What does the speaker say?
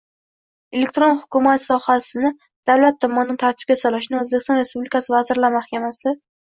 Elektron hukumat sohasini davlat tomonidan tartibga solishni O‘zbekiston Respublikasi Vazirlar Mahkamasi